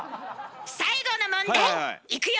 最後の問題いくよ！